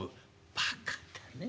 「バカだね。